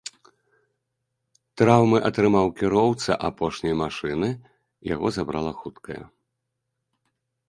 Траўмы атрымаў кіроўца апошняй машыны, яго забрала хуткая.